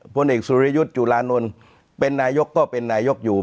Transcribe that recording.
พลเอกสุริยุทธ์จุลานนท์เป็นนายกก็เป็นนายกอยู่